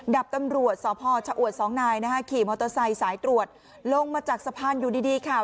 ดับตำรวจสอบภอว์ชะอวด๒นายขี่มอเตอร์ไซต์สายตรวจลงมาจากสะพานอยู่ดีค่ะ